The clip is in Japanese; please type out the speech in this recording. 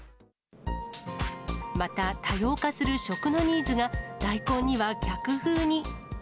また多様化する食のニーズが、大根には逆風に。